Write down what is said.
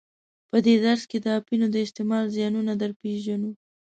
په دې درس کې د اپینو د استعمال زیانونه در پیژنو.